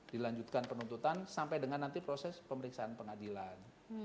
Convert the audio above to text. dilanjutkan penuntutan sampai dengan nanti proses pemeriksaan pengadilan